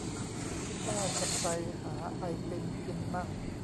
คิดว่าจะไปหาไอติมกินมั่ง